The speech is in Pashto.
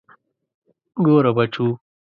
ګوره بچو.